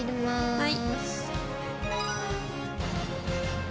はい。